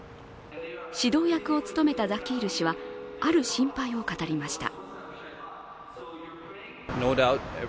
指導役を務めたザキール氏はある心配を語りました。